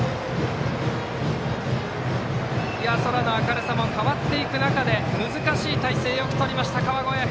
空の明るさも変わっていく中で難しい体勢、よくとりました川越。